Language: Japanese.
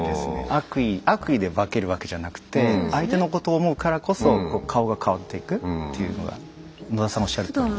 悪意悪意で化けるわけじゃなくて相手のことを思うからこそ顔が変わっていくっていうのが野田さんがおっしゃるとおり。